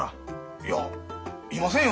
いやいませんよ